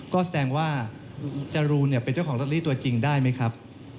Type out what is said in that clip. ก็แสดงว่าจรูเนี่ยเป็นเจ้าของรัฐฤทธิ์ตัวจริงได้มั้ยครับ